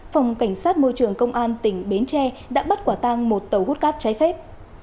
phòng cảnh sát môi trường công an tỉnh bến tre đã bắt quả tang một tàu hút cát trái phép